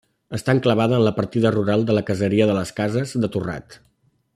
Està enclavada en la partida rural de la caseria de les Cases de Torrat.